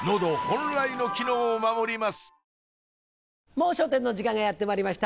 『もう笑点』の時間がやってまいりました。